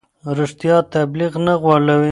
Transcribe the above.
رښتیا تبلیغ نه غولوي.